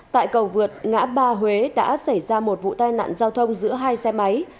tại cầu vượt ngã ba huế đã xảy ra một vụ tai nạn giao thông giữa hai xe máy